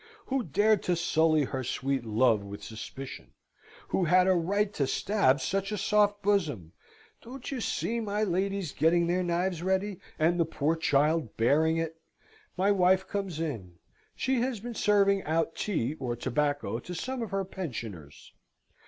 Who dared to sully her sweet love with suspicion? Who had a right to stab such a soft bosom? Don't you see my ladies getting their knives ready, and the poor child baring it? My wife comes in. She has been serving out tea or tobacco to some of her pensioners.